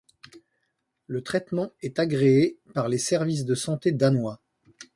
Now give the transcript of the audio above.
Le traitement est agréé par les Services de santé Danois.